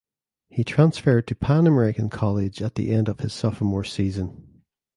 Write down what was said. He transferred to Pan American College at the end of his sophomore season.